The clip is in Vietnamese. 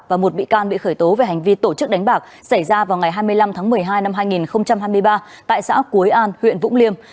và một bị can bị khởi tố về hành vi tổ chức đánh bạc xảy ra vào ngày hai mươi năm tháng một mươi hai năm hai nghìn hai mươi ba tại xã cúi an huyện vũng liêm